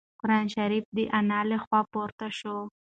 قرانشریف د انا له خوا پورته شو.